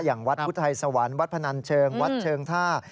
อย่างวัดพุทธไทยสวรรค์วัดพนันเชิงวัดเชิงท่า